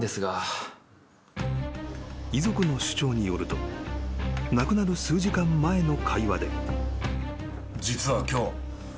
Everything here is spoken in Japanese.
［遺族の主張によると亡くなる数時間前の会話で］